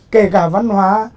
kể cả văn hóa